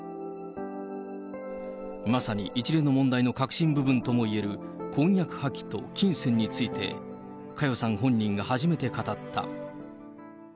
まさに一連の問題の核心部分ともいえる、婚約破棄と金銭について、佳代さん本人が初めて語った。